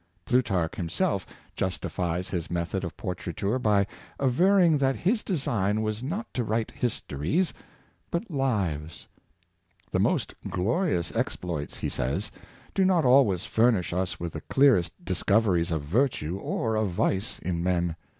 Plutarch himself justifies his method of portraiture by averring that his design was not to write histories, but lives. " The most glorious exploits," he says, " do not always furnish us with the clearest discoveries of virtue or of vice in men.